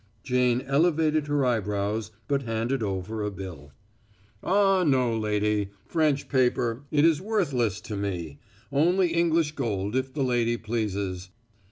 Jane elevated her eyebrows, but handed over a bill. "Ah, no, lady. French paper it is worthless to me. Only English gold, if the lady pleases."